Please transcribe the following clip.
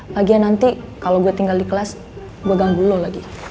bahagia nanti kalau gue tinggal di kelas gue ganggu lo lagi